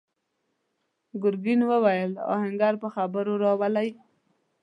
ګرګين وويل: آهنګر په خبرو راولئ!